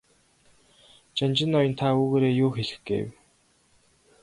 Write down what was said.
Жанжин ноён та үүгээрээ юу хэлэх гээв?